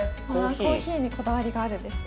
コーヒーにこだわりがあるんですね。